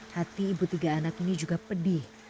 hati ibu tiga anak ini juga pedih